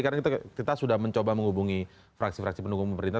karena kita sudah mencoba menghubungi fraksi fraksi pendukung pemerintah